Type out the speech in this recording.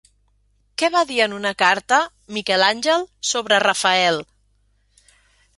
Què va dir en una carta Miquel Àngel sobre Rafael?